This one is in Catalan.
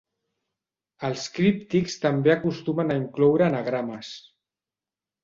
Els críptics també acostumen a incloure anagrames.